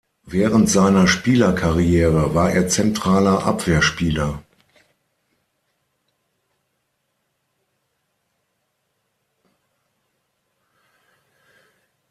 Während seiner Spielerkarriere war er zentraler Abwehrspieler.